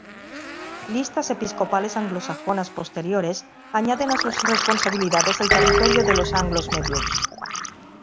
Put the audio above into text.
Listas episcopales anglosajonas posteriores añaden a sus responsabilidades el territorio de los Anglos Medios.